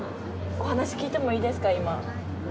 お話し聞いてもいいですか今？